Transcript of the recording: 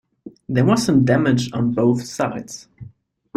There was some damage on both sides.